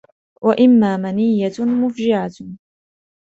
وَإِمَّا مَنِيَّةٌ مُفْجِعَةٌ